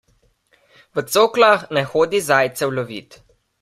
V coklah ne hodi zajcev lovit!